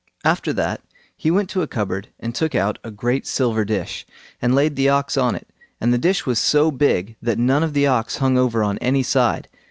After that, he went to a cupboard and took out a great silver dish, and laid the ox on it; and the dish was so big that none of the ox hung over on any side.